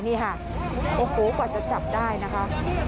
นี่ค่ะโอ้โหกว่าจะจับได้นะคะ